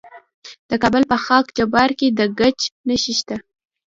د کابل په خاک جبار کې د ګچ نښې شته.